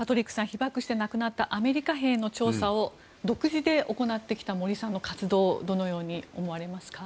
被爆して亡くなったアメリカ兵の調査を独自で行ってきた森さんの活動をどのように思われますか？